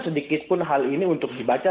sedikit pun hal ini untuk dibaca